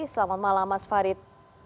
selamat malam mas farid